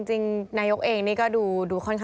จริงนายกเองก็ดูค่อย